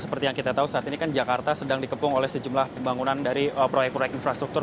seperti yang kita tahu saat ini kan jakarta sedang dikepung oleh sejumlah pembangunan dari proyek proyek infrastruktur